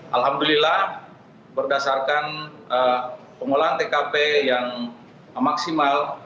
alhamdulillah berdasarkan pengolahan tkp yang maksimal